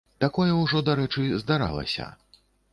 Такое ўжо, дарэчы, здаралася.